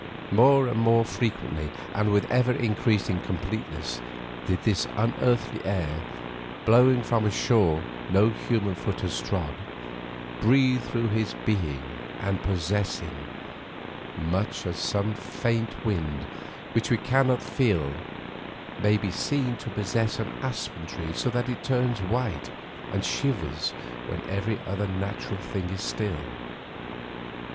More and more frequently, and with an ever increasing completeness, did this unearthly air, blowing from a shore no human foot has trod, breathe through his being and possess him, much as some faint wind which we cannot feel may be seen to possess an aspen tree so that it turns white and shivers when every other natural thing is still.